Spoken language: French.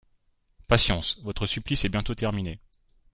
Patience, votre supplice est bientôt terminé